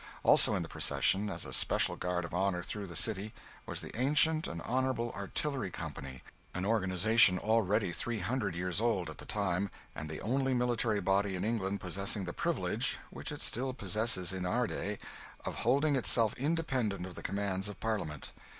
Also in the procession, as a special guard of honour through the city, was the Ancient and Honourable Artillery Company an organisation already three hundred years old at that time, and the only military body in England possessing the privilege (which it still possesses in our day) of holding itself independent of the commands of Parliament.